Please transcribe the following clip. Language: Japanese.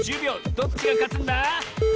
どっちがかつんだ？